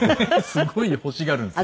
すごい欲しがるんですよ。